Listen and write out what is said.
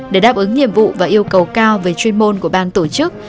để đáp ứng nhiệm vụ và yêu cầu cao về chuyên môn của ban tổ chức